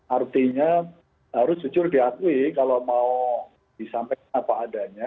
artinya harus jujur diakui kalau mau disampaikan apa adanya